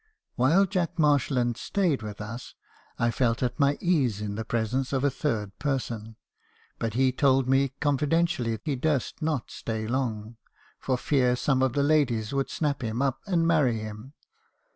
While Jack Marshland stayed with us , I felt at my ease in the presence of a third person. But he told me confidentially he durst not stay long, for fear some of the ladies should snap him up , and marry him.